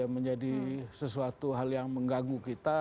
menjadi sesuatu hal yang mengganggu kita